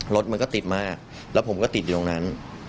รถมันก็ติดมากแล้วผมก็ติดอยู่ตรงนั้น